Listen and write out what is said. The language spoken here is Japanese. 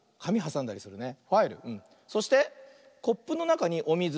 そしてコップのなかにおみず。